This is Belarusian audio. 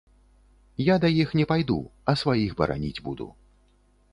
Я да іх не пайду, а сваіх бараніць буду.